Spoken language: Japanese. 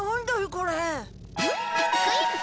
これ。